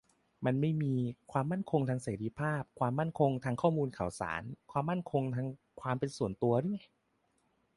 มันไม่มี ความมั่นคงทางเสรีภาพ ความมั่นคงทางข้อมูลข่าวสาร ความมั่นคงทางความเป็นส่วนตัว หรือไง ?